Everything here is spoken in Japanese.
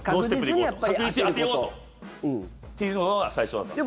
確実に当てようと。っていうのが最初だったんです。